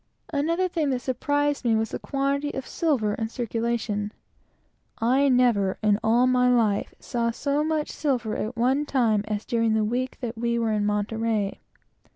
Another thing that surprised me was the quantity of silver that was in circulation. I certainly never saw so much silver at one time in my life, as during the week that we were at Monterey.